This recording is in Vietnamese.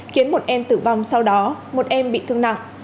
khiến một em tử vong sau đó một em bị thương nặng